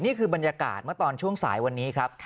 นี่คือบรรยากาศเมื่อตอนช่วงสายวันนี้ครับ